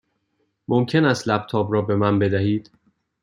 ممکن است لپ تاپ را به من بدهید؟